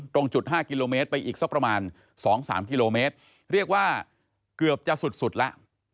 ตรงจุด๕กิโลเมตรไปอีกสักประมาณ๒๓กิโลเมตรเรียกว่าเกือบจะสุดแล้ว